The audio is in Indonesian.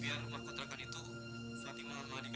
iya kak iqbal juga lari bising tuh